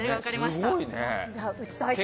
すごいね。